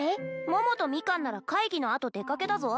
桃とミカンなら会議のあと出かけたぞ